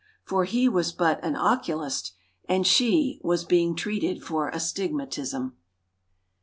For he was but an oculist, and she Was being treated for astigmatism.